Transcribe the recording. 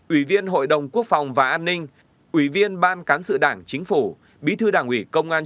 ủy viên hội đồng quốc phòng và an ninh ủy viên ban cán sự đảng chính phủ bí thư đảng ủy công an